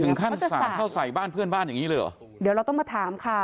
ขั้นสาดเข้าใส่บ้านเพื่อนบ้านอย่างงี้เลยเหรอเดี๋ยวเราต้องมาถามค่ะ